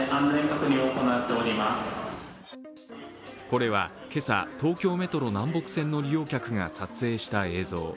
これは今朝、東京メトロ南北線の利用客が撮影した映像。